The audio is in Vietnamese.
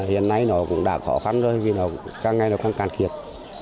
hiện nay nó cũng đã khó khăn rồi vì nó càng ngày nó càng càng thiệt